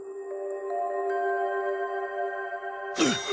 うっ！